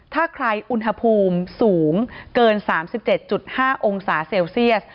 ถ้าใครอุณหภูมิสูงเกิน๓๗๕องศาเซลเซียส